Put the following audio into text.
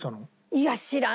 いや知らん。